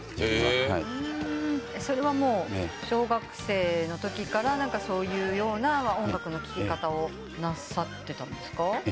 それはもう小学生のときからそういうような音楽の聴き方をなさってたんですか？